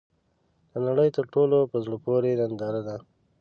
د نړۍ تر ټولو ، په زړه پورې ننداره ده .